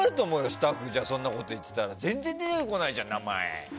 スタッフそんなこと言ってたら全然、名前出てこないじゃん。